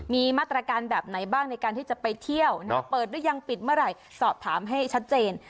มีมาตรการแบบไหนบ้างในการที่จะไปเที่ยวเปิดหรือยังปิดเมื่อไหร่สอบถามให้ชัดเจน